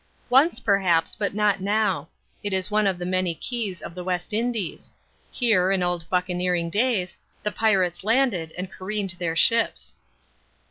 "Once, perhaps, but not now. It is one of the many keys of the West Indies. Here, in old buccaneering days, the pirates landed and careened their ships."